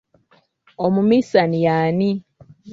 Omumiisani yani?